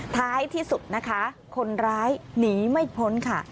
ท้ายที่สุดนะคะคนร้ายหนีไม่พ้นค่ะ